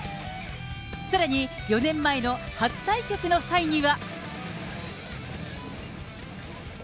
さらに４年前の初対局の際には。